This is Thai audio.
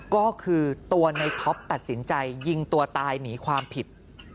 ก็คือตัวในท็อปตัดสินใจยิงตัวตายหนีความผิด